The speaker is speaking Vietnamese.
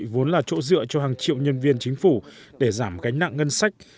vốn là chỗ dựa cho hàng triệu nhân viên chính phủ để giảm gánh nặng ngân sách